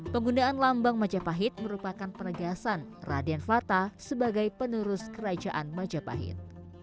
penggunaan lambang majapahit merupakan penegasan raden fata sebagai penerus kerajaan majapahit